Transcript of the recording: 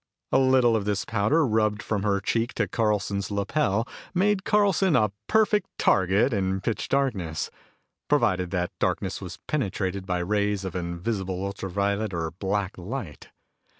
A little of this powder rubbed from her cheek to Carlson's lapel made Carlson a perfect target in pitch darkness, provided that darkness was penetrated by rays of invisible ultra violet or black light.